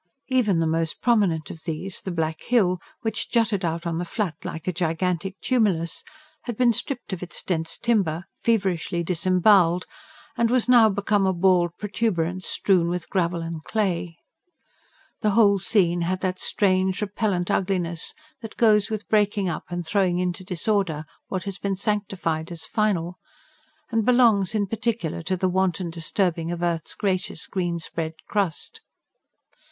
Even the most prominent of these, the Black Hill, which jutted out on the Flat like a gigantic tumulus, had been stripped of its dense timber, feverishly disembowelled, and was now become a bald protuberance strewn with gravel and clay. The whole scene had that strange, repellent ugliness that goes with breaking up and throwing into disorder what has been sanctified as final, and belongs, in particular, to the wanton disturbing of earth's gracious, green spread crust.